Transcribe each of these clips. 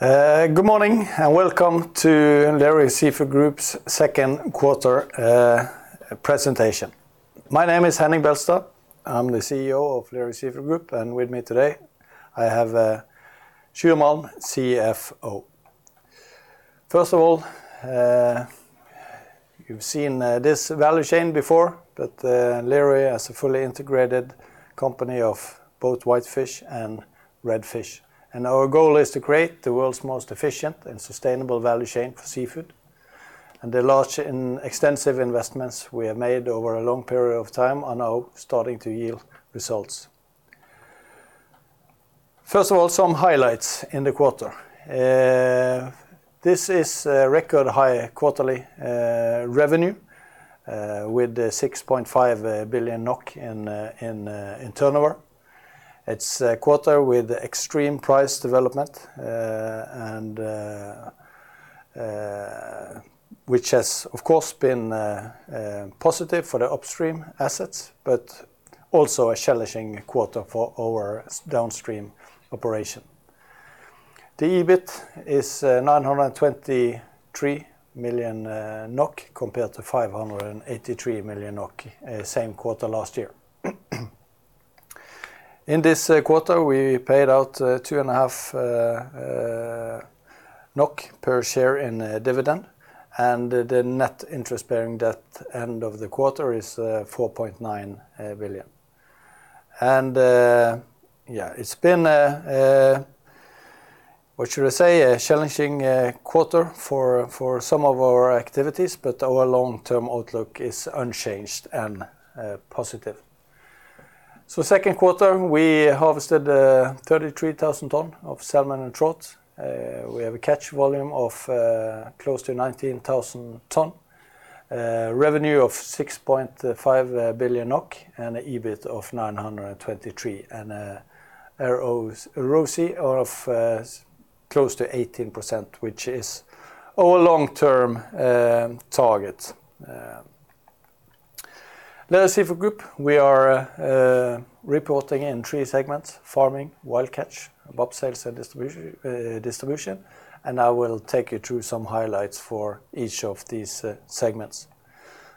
Good morning, and welcome to Lerøy Seafood Group's Q2 presentation. My name is Henning Beltestad. I'm the CEO of Lerøy Seafood Group, and with me today I have Sjur Malm, CFO. First of all, you've seen this value chain before, but Lerøy is a fully integrated company of both whitefish and red fish, and our goal is to create the world's most efficient and sustainable value chain for seafood. The large and extensive investments we have made over a long period of time are now starting to yield results. First of all, some highlights in the quarter. This is a record-high quarterly revenue with 6.5 billion NOK in turnover. It's a quarter with extreme price development, and which has, of course, been positive for the upstream assets but also a challenging quarter for our downstream operation. The EBIT is 923 million NOK compared to 583 million NOK same quarter last-year. In this quarter, we paid out two and a half NOK per share in dividend, and the net interest-bearing debt end of the quarter is 4.9 billion. It's been what should I say? A challenging quarter for some of our activities, but our long-term outlook is unchanged and positive. Q2, we harvested 33,000 tons of salmon and trout. We have a catch volume of close to 19,000 tons. Revenue of 6.5 billion NOK, and an EBIT of 923, and ROCE of close to 18%, which is our long-term target. Lerøy Seafood Group, we are reporting in three segments: farming, wild catch, VAP, Sales and Distribution, and I will take you through some highlights for each of these segments.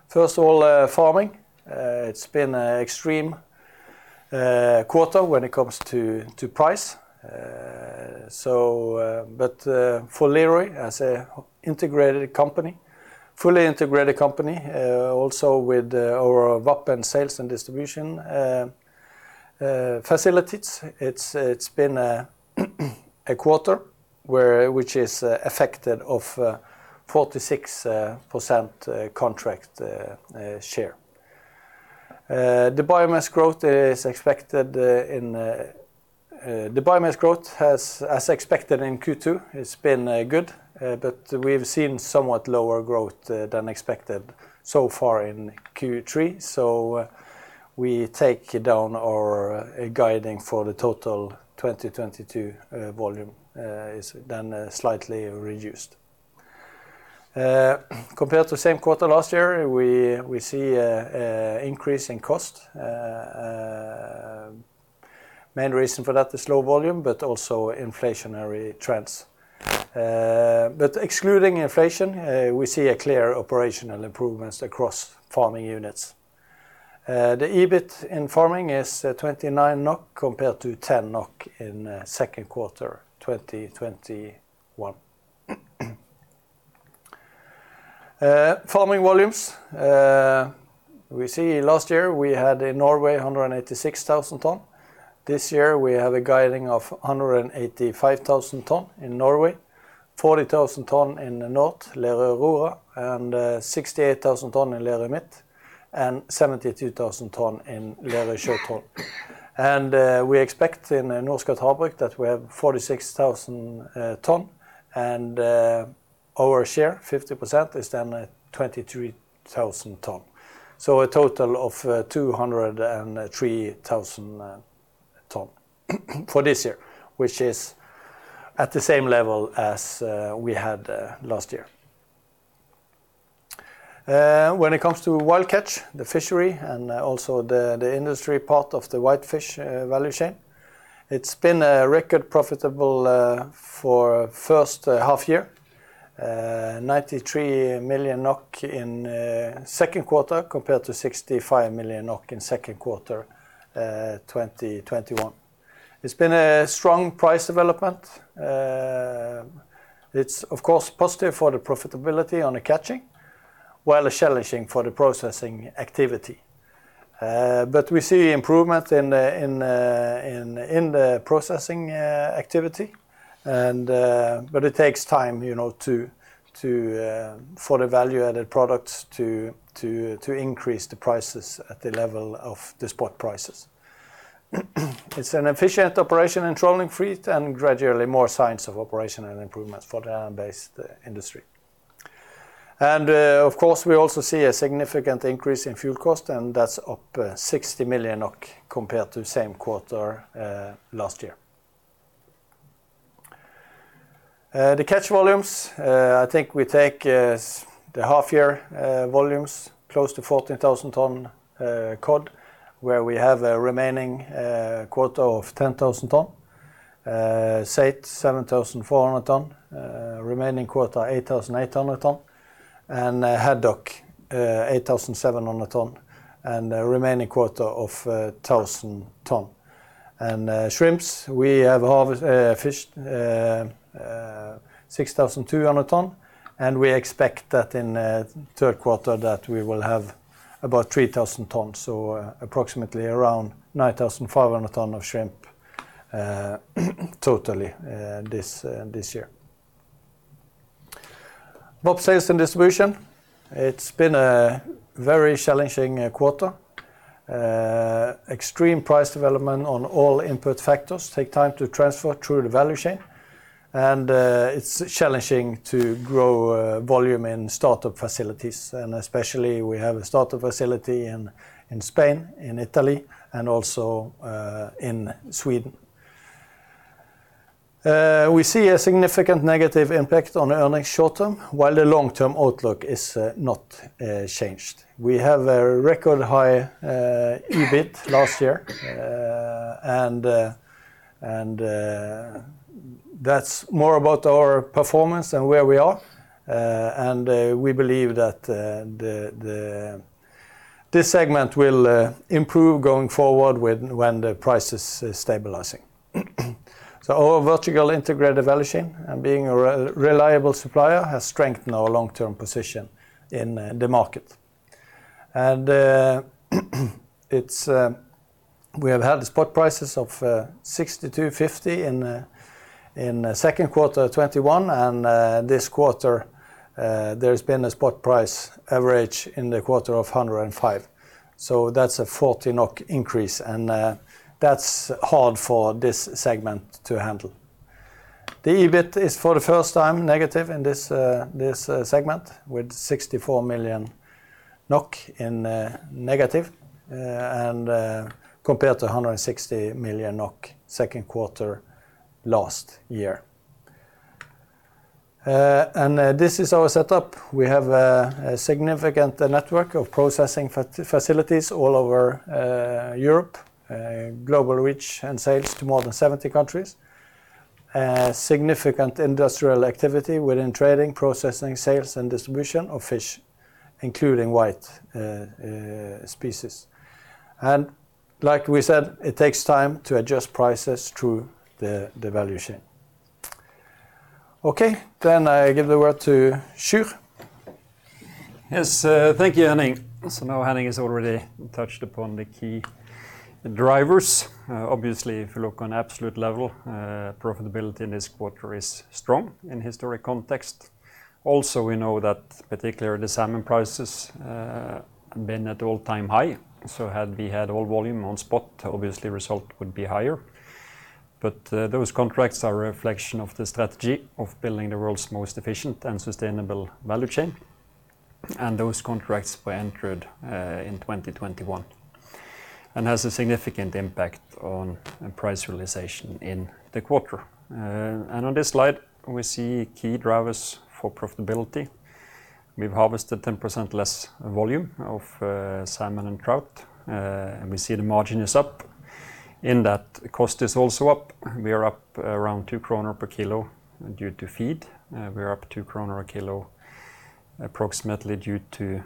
First of all, farming. It's been an extreme quarter when it comes to price. For Lerøy as an integrated company, fully integrated company, also with our VAP and sales and distribution facilities, it's been a quarter which is affected by 46% contract share. The biomass growth is expected in The biomass growth has, as expected in the Q2, been good, but we've seen somewhat lower growth than expected so far in Q3. We take down our guidance for the total 2022 volume is then slightly reduced. Compared to same quarter last-year, we see a increase in cost. Main reason for that is low-volume but also inflationary trends. Excluding inflation, we see a clear operational improvements across farming units. The EBIT in farming is 29 NOK compared to 10 NOK in the Q2 2021. Farming volumes, last-year we had in Norway 186,000 tons. This year we have a guidance of 185,000 tons in Norway, 40,000 tons in the north, Lerøy Aurora, and 68,000 tons in Lerøy Midt, and 72,000 tons in Lerøy Sjøtroll. We expect in Norskott Havbruk that we have 46,000 ton, and our share, 50%, is then 23,000 ton. A total of 203,000 ton for this year, which is at the same level as we had last-year. When it comes to wild catch, the fishery and also the industry part of the whitefish value chain, it's been a record profitable for first half-year. 93 million NOK in the Q2 compared to 65 million NOK in the Q2 2021. It's been a strong price development. It's of course positive for the profitability on the catching, while challenging for the processing activity. We see improvement in the processing activity, and it takes time, you know, for the value-added products to increase the prices at the level of the spot prices. It's an efficient operation in the trawling fleet, and gradually more signs of operational improvements for the land-based industry. Of course, we also see a significant increase in fuel cost, and that's up 60 million compared to same quarter last-year. The catch volumes, I think we take the half-year volumes close to 14,000 tons cod, where we have a remaining quota of 10,000 tons. Saithe 7,400 tons remaining quota 8,800 tons, and haddock 8,700 tons, and a remaining quota of 1,000 tons. Shrimps, we have fished 6,200 tons, and we expect that in the Q3 that we will have about 3,000 tons. Approximately around 9,500 tons of shrimp totally this year. VAP, Sales & Distribution, it's been a very challenging quarter. Extreme price development on all input factors take time to transfer through the value chain, and it's challenging to grow volume in start-up facilities. Especially we have a start-up facility in Spain, in Italy, and also in Sweden. We see a significant negative impact on earnings short-term, while the long-term outlook is not changed. We have a record high EBIT last-year, and that's more about our performance and where we are. We believe that this segment will improve going forward when the price is stabilizing. Our vertically integrated value chain and being a reliable supplier has strengthened our long-term position in the market. We have had the spot prices of 62.50 in the Q2 2021, and this quarter, there's been a spot price average in the quarter of 105. That's a 40 NOK increase, and that's hard for this segment to handle. The EBIT is for the first time negative in this segment with -64 million NOK, compared to 160 million Q2 last-year. This is our setup. We have a significant network of processing facilities all over Europe, global reach and sales to more than 70 countries. Significant industrial activity within trading, processing, sales, and distribution of fish, including whitefish species. Like we said, it takes time to adjust prices through the value chain. Okay. I give the word to Sjur. Yes. Thank you, Henning. Now Henning has already touched upon the key drivers. Obviously, if you look on absolute level, profitability in this quarter is strong in historic context. Also, we know that particularly the salmon prices have been at all-time high. Had we had all volume on spot, obviously result would be higher. Those contracts are a reflection of the strategy of building the world's most efficient and sustainable value chain, and those contracts were entered in 2021 and has a significant impact on price-realization in the quarter. On this slide, we see key drivers for profitability. We've harvested 10% less volume of salmon and trout, and we see the margin is up, in that cost is also up. We are up around 2 kroner per kilo due to feed. We are up 2 kroner a kilo approximately due to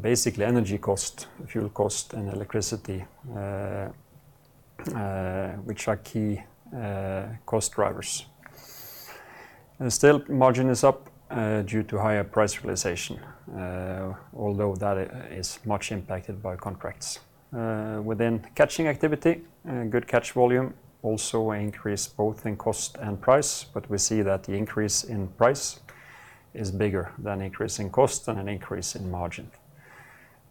basically energy cost, fuel cost, and electricity, which are key cost drivers. Still margin is up due to higher price-realization, although that is much impacted by contracts. Within catching activity, good catch volume also increase both in cost and price, but we see that the increase in price is bigger than increase in cost and an increase in margin.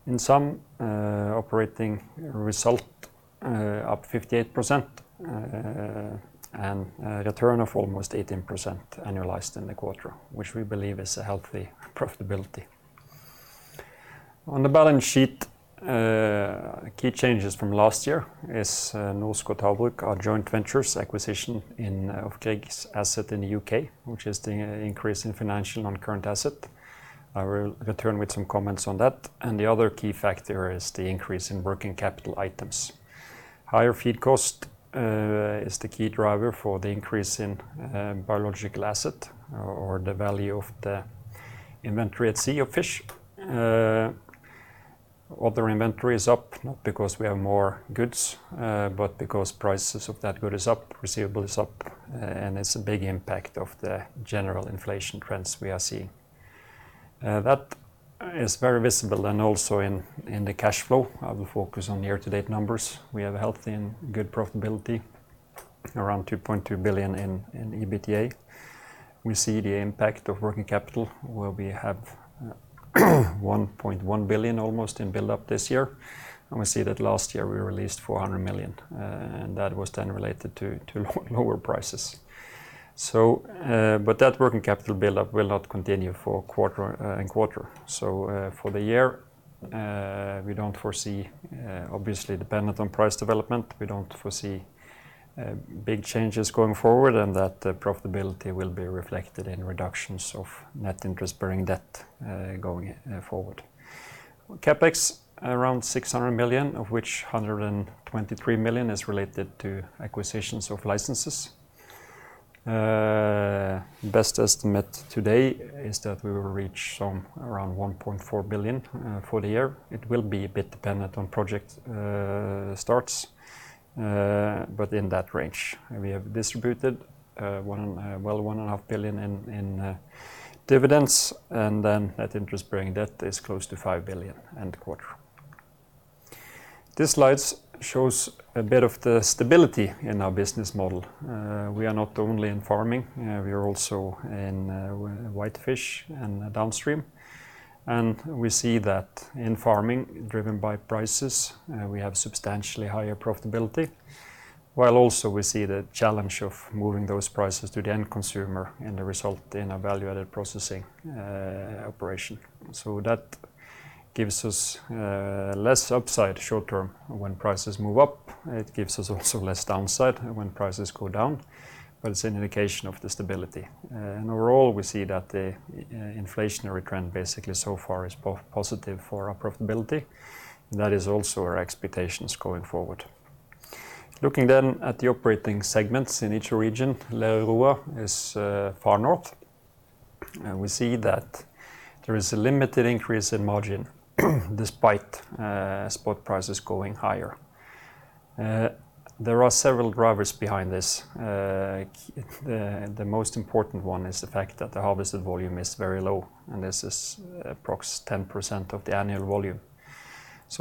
In sum, operating result up 58%, and a return of almost 18% annualized in the quarter, which we believe is a healthy profitability. On the balance sheet, key changes from last-year is Norskott Havbruk, our joint venture's acquisition of Grieg's assets in the UK, which is the increase in financial and current assets. I will return with some comments on that, and the other key factor is the increase in working capital items. Higher feed cost is the key driver for the increase in biological assets or the value of the inventory at sea of fish. Other inventory is up, not because we have more goods, but because prices of those goods are up, receivables are up, and it's a big impact of the general inflation trends we are seeing. That is very visible and also in the cash flow. I will focus on the year-to-date numbers. We have a healthy and good profitability, around 2.2 billion in EBITDA. We see the impact of working capital, where we have 1.1 billion almost in build-up this year, and we see that last-year we released 400 million, and that was then related to lower prices. But that working capital build-up will not continue from quarter to quarter. For the year, we don't foresee, obviously dependent on price development, we don't foresee big changes going forward, and that profitability will be reflected in reductions of net interest-bearing debt going forward. CapEx around 600 million, of which 123 million is related to acquisitions of licenses. Best estimate today is that we will reach some around 1.4 billion for the year. It will be a bit dependent on project starts, but in that range. We have distributed one and... Well, 1.5 billion in dividends, and then net interest bearing debt is close to 5 billion end quarter. This slide shows a bit of the stability in our business model. We are not only in farming, we are also in whitefish and downstream. We see that in farming, driven by prices, we have substantially higher profitability, while also we see the challenge of moving those prices to the end consumer and the result in a value-added processing operation. That gives us less upside short-term when prices move up. It gives us also less downside when prices go down, but it's an indication of the stability. Overall, we see that the inflationary trend basically so far is positive for our profitability, and that is also our expectations going forward. Looking at the operating segments in each region, Lerøy Aurora is far north, and we see that there is a limited increase in margin despite spot prices going higher. There are several drivers behind this. The most important one is the fact that the harvested volume is very low, and this is approx. 10% of the annual volume.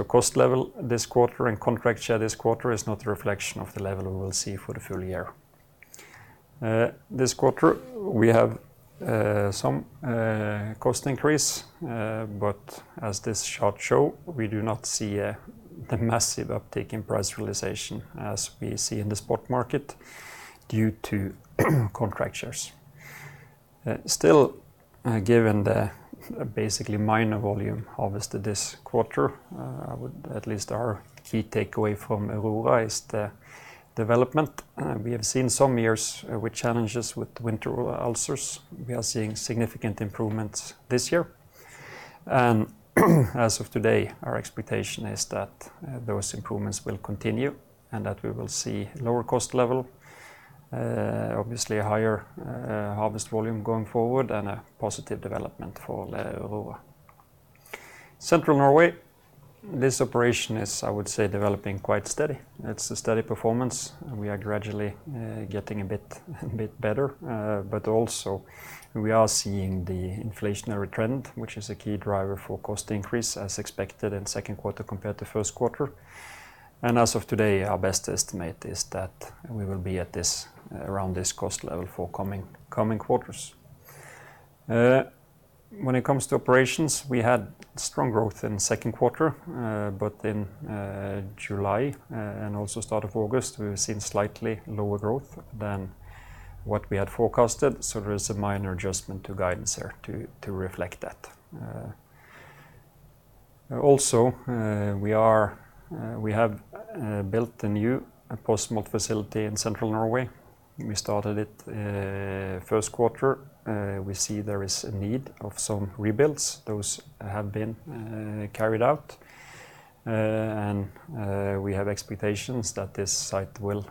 Cost level this quarter and contract share this quarter is not a reflection of the level we will see for the full-year. This quarter, we have some cost increase, but as this chart show, we do not see the massive uptick in price realization as we see in the spot market due to contract shares. Still, given the basically minor volume harvested this quarter, at least our key takeaway from Aurora is the development. We have seen some years with challenges with winter Aurora ulcers. We are seeing significant improvements this year. As of today, our expectation is that those improvements will continue and that we will see lower cost-level, obviously a higher-harvest volume going forward and a positive development for Lerøy Aurora. Central Norway, this operation is, I would say, developing quite steady. It's a steady performance, and we are gradually getting a bit better. Also we are seeing the inflationary trend, which is a key driver for cost increase as expected in the Q2 compared to the Q1. As of today, our best estimate is that we will be around this cost level for coming quarters. When it comes to operations, we had strong growth in the Q2, but in July and also start of August, we've seen slightly lower growth than what we had forecasted, so there is a minor adjustment to guidance there to reflect that. Also, we have built a new post-smolt facility in Central Norway. We started it Q1. We see there is a need of some rebuilds. Those have been carried out. We have expectations that this site will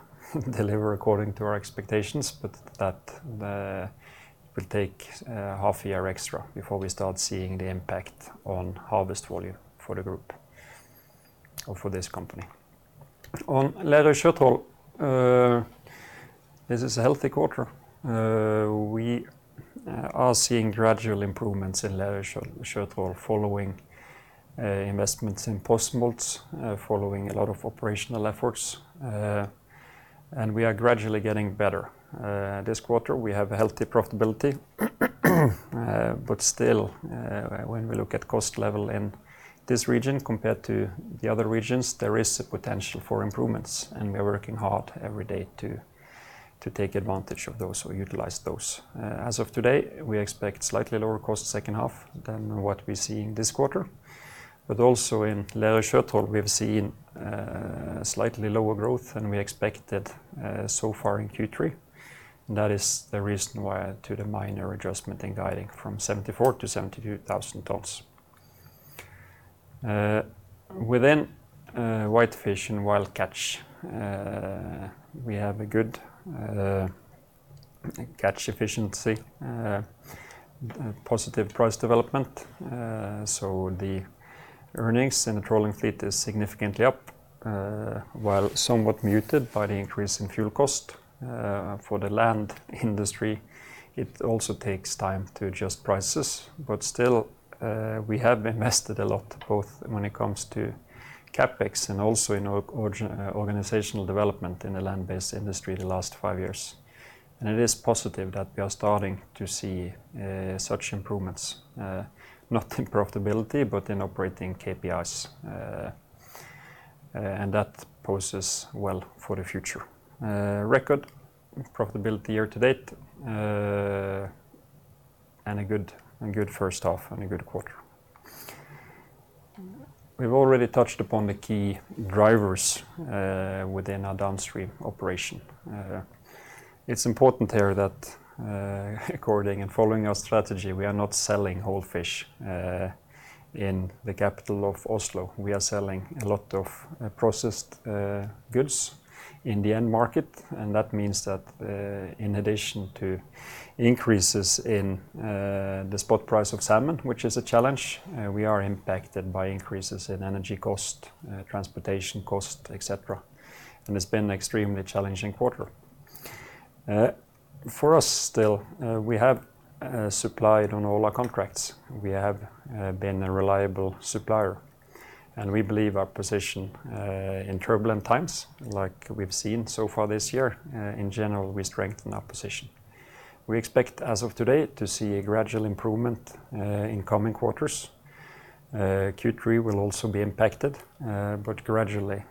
deliver according to our expectations, but that will take half-year extra before we start seeing the impact on harvest volume for the group or for this company. On Lerøy Sjøtroll, this is a healthy quarter. We are seeing gradual improvements in Lerøy Sjøtroll following investments in post-smolts following a lot of operational efforts. We are gradually getting better. This quarter, we have a healthy profitability, but still, when we look at cost level in this region compared to the other regions, there is a potential for improvements, and we are working hard every day to take advantage of those or utilize those. As of today, we expect slightly lower cost the second half than what we see in this quarter. Also in Lerøy Sjøtroll, we have seen slightly lower growth than we expected so far in Q3. That is the reason why the minor adjustment in guidance from 74,000 to 72,000 tons. Within whitefish and wild catch, we have a good catch efficiency, positive price development, so the earnings in the trawling fleet is significantly up, while somewhat muted by the increase in fuel cost. For the land industry, it also takes time to adjust prices. Still, we have invested a lot, both when it comes to CapEx and also in organizational development in the land-based industry the last five years. It is positive that we are starting to see such improvements, not in profitability, but in operating KPIs. That poses well for the future. Record profitability year to date, and a good first half and a good quarter. We've already touched upon the key drivers within our downstream operation. It's important here that, according and following our strategy, we are not selling whole fish in the capital of Oslo. We are selling a lot of processed goods in the end market, and that means that in addition to increases in the spot price of salmon, which is a challenge, we are impacted by increases in energy cost, transportation cost, et cetera. It's been an extremely challenging quarter. For us still, we have supplied on all our contracts. We have been a reliable supplier, and we believe our position in turbulent times, like we've seen so far this year, in general, we strengthen our position. We expect as of today to see a gradual improvement in coming quarters. Q3 will also be impacted, but gradually,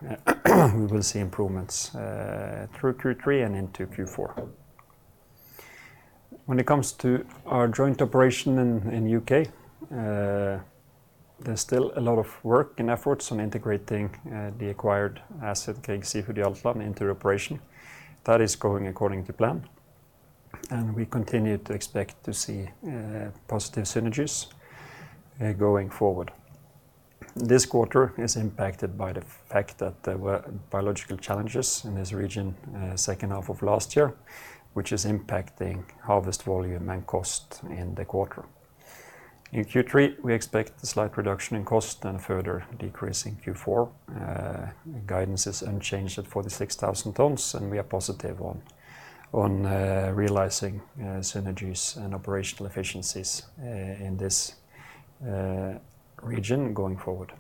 we will see improvements through Q3 and into Q4. When it comes to our joint operation in UK, there's still a lot of work and efforts on integrating the acquired asset, Scottish Sea Farms, into operation. That is going according to plan, and we continue to expect to see positive synergies going forward. This quarter is impacted by the fact that there were biological challenges in this region second half of last-year, which is impacting harvest volume and cost in the quarter. In Q3, we expect a slight reduction in cost and a further decrease in Q4. Guidance is unchanged at 46,000 tons, and we are positive on realizing synergies and operational efficiencies in this region going forward.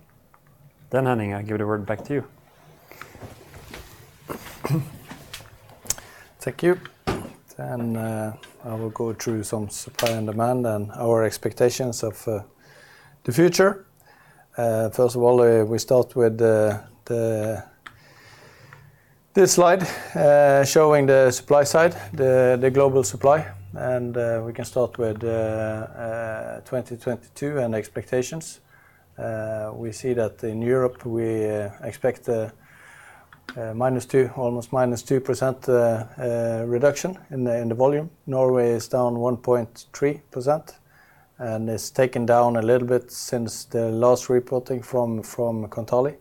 Henning, I give the word back to you. Thank you. I will go through some supply and demand and our expectations of the future. First of all, we start with this slide showing the supply side, the global supply. We can start with 2022 and expectations. We see that in Europe, we expect minus two, almost minus two percent reduction in the volume. Norway is down 1.3% and is taken down a little bit since the last reporting from Kontali.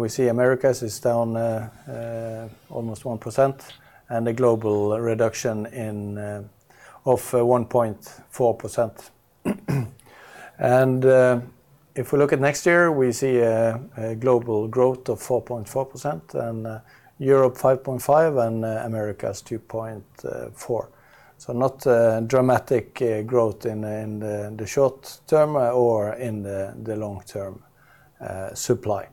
We see Americas is down almost one percent and a global reduction of 1.4%. If we look at next year, we see a global growth of 4.4% and Europe 5.5% and Americas 2.4%. Not a dramatic growth in the short-term or in the long-term supply.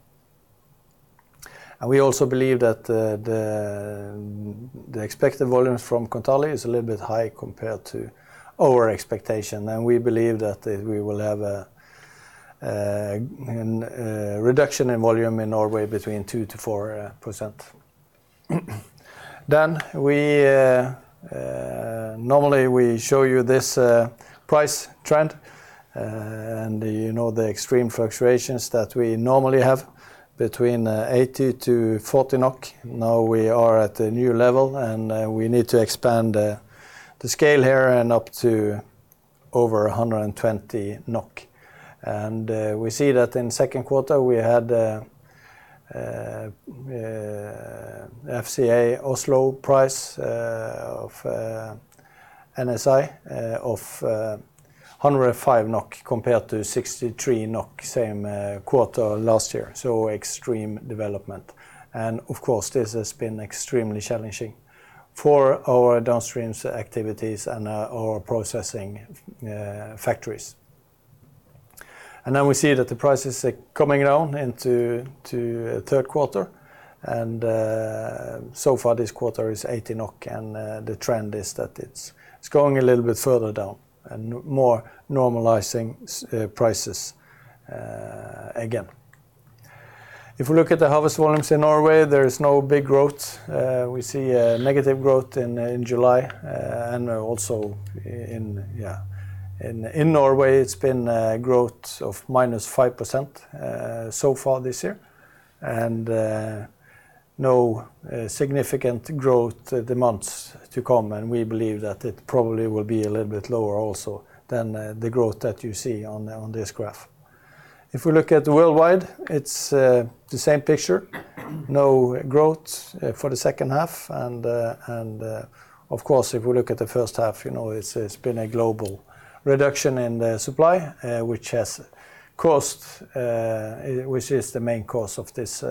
We also believe that the expected volumes from Kontali is a little bit high compared to our expectation, and we believe that we will have a reduction in volume in Norway between 2-4%. We normally show you this price trend, and you know the extreme fluctuations that we normally have between 80-40 NOK. Now we are at a new level, and we need to expand the scale here and up to over 120 NOK. We see that in the Q2, we had FCA Oslo price of NSI of 105 NOK compared to 63 NOK same quarter last-year, so extreme development. Of course, this has been extremely challenging for our downstream activities and our processing factories. We see that the prices are coming down into the Q3, and so far this quarter is 80 NOK, and the trend is that it's going a little bit further down and more normalizing prices again. If we look at the harvest volumes in Norway, there is no big growth. We see a negative growth in July, and also in Norway. It's been a growth of minus 5% so far this year, and no significant growth in the months to come. We believe that it probably will be a little bit lower also than the growth that you see on this graph. If we look at worldwide, it's the same picture, no growth for the second half. Of course, if we look at the first half, you know, it's been a global reduction in the supply, which is the main cause of this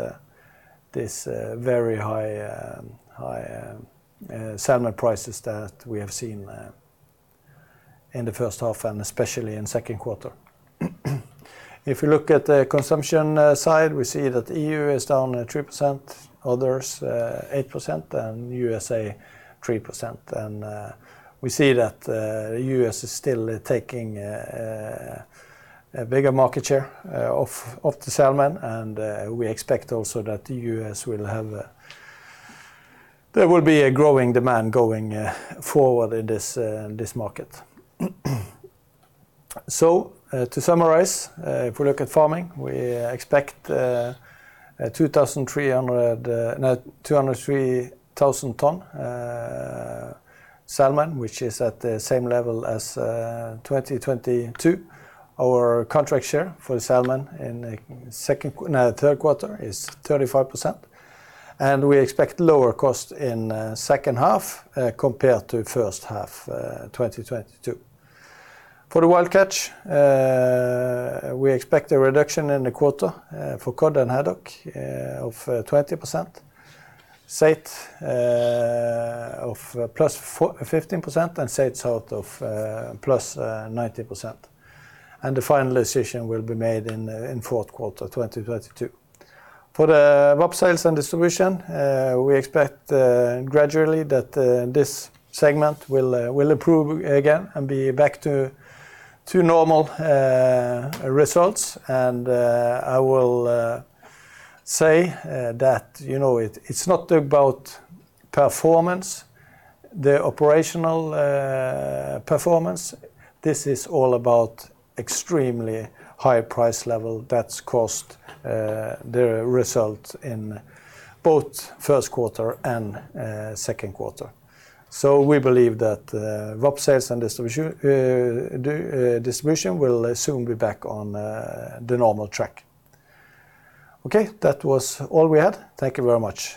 very high salmon prices that we have seen in the first half and especially in the Q2. If we look at the consumption side, we see that EU is down 3%, others 8% and USA 3%. We see that U.S. is still taking a bigger market share of the salmon. We expect also that there will be a growing demand going forward in this market. To summarize, if we look at farming, we expect 203,000 tons salmon, which is at the same level as 2022. Our contract share for the salmon in the Q3 is 35%, and we expect lower cost in second half compared to first half 2022. For the wild catch, we expect a reduction in the quarter, for Cod and Haddock, of 20%. Saithe of +15% and Saithe salt of +19%. The final decision will be made in Q4 2022. For the VAP, Sales and Distribution, we expect gradually that this segment will improve again and be back to normal results. I will say that, you know, it's not about performance, the operational performance. This is all about extremely high price level that's caused the result in both Q1 and Q2. We believe that VAP sales and distribution will soon be back on the normal track. Okay. That was all we had. Thank you very much.